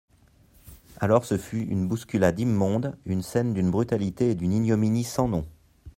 Alors, ce fut une bousculade immonde, une scène d'une brutalité et d'une ignominie sans nom.